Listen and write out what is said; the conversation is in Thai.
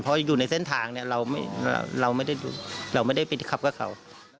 เพราะอยู่ในเส้นทางเนี่ยเราไม่ได้ไปขับกับเขา